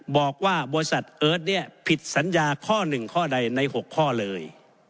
บอกว่าบริษัทเอิร์ทเนี่ยผิดสัญญาข้อ๑ข้อใดใน๖ข้อเลย